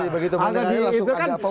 begitu mandiannya langsung fokus